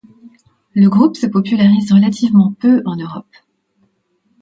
Le groupe se popularise relativement peu en Europe.